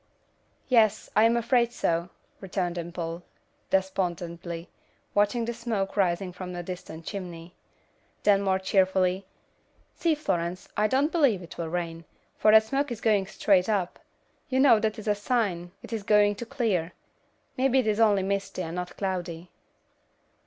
"Yes, I am afraid so," returned Dimple, despondently, watching the smoke rising from a distant chimney. Then more cheerfully, "See Florence, I don't believe it will rain, for that smoke is going straight up. You know that is a sign it is going to clear. Maybe it is only misty and not cloudy."